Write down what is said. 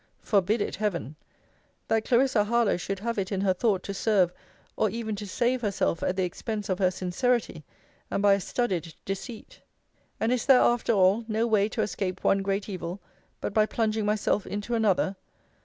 Forbid it, heaven! that Clarissa Harlowe should have it in her thought to serve, or even to save herself at the expense of her sincerity, and by a studied deceit! And is there, after all, no way to escape one great evil, but by plunging myself into another?